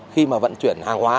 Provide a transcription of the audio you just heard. khi vận chuyển hàng hóa